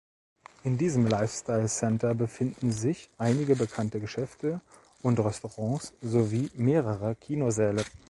In diesem Lifestyle Center befinden sich einige bekannte Geschäfte und Restaurants sowie mehrere Kinosäle.